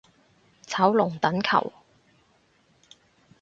炒龍躉球